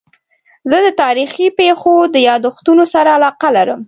زه د تاریخي پېښو د یادښتونو سره علاقه لرم.